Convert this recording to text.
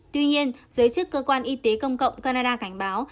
tuy nhiên giới chức cơ quan y tế công cộng canada cảnh báo